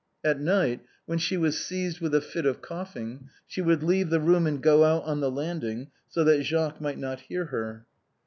At night, when siie was seized with a fit of coughing, she would leave the room and go out on the landing, so that Jacques might not hear her.